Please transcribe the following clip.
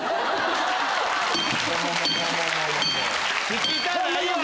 聞きたないわ！